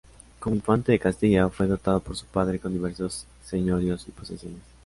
Como infante de Castilla, fue dotado por su padre con diversos señoríos y posesiones.